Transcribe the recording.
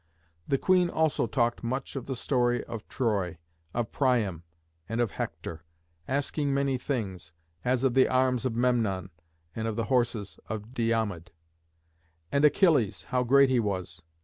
The queen also talked much of the story of Troy, of Priam, and of Hector, asking many things, as of the arms of Memnon, and of the horses of Diomed, and of Achilles, how great he was.